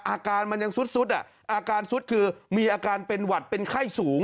อาการมันยังซุดอ่ะอาการสุดคือมีอาการเป็นหวัดเป็นไข้สูง